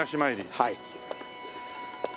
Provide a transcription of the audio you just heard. はい。